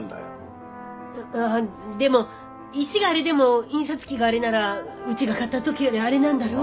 ああでも石があれでも印刷機があれならうちが買った時よりあれなんだろう？